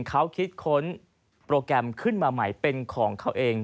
เขาคิดค้นโปรแกรมขึ้นมาใหม่เป็นของเขาเอง